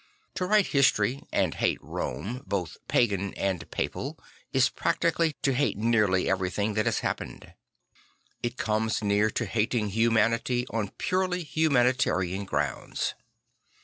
To write history and hate Rome, both pagan and papal, is practically to hate nearly everything that has happened. It comes very near to hating humanity on purely humanitarian grounds.